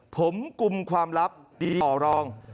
ผมกลุ่มความลับดีต่อรอง